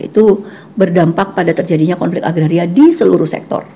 itu berdampak pada terjadinya konflik agraria di seluruh sektor